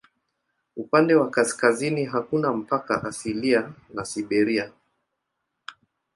Upande wa kaskazini hakuna mpaka asilia na Siberia.